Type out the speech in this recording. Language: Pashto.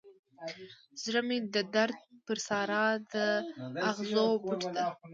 زړه مې د درد پر سارا د اغزو بوټو ته